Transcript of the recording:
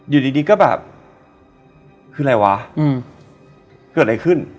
อยู่ดีก็แบบคืออะไรวะเกิดอะไรขึ้น